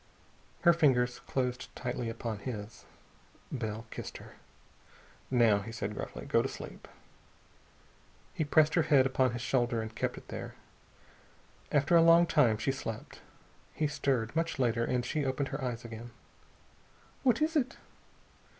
Her fingers closed tightly upon his. Bell kissed her. "Now," he said gruffly, "go to sleep." He pressed her head upon his shoulder and kept it there. After a long time she slept. He stirred, much later, and she opened her eyes again. "What is it?"